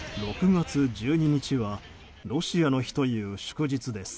６月１２日はロシアの日という祝日です。